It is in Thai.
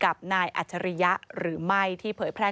ก็ไม่รู้ว่าฟ้าจะระแวงพอพานหรือเปล่า